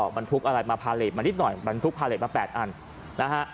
บรรทุกอะไรมาภาษาเล็กมานิดหน่อยบรรทุกภาษาเล็กมาแปดอันนะฮะ